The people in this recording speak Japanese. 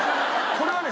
これはね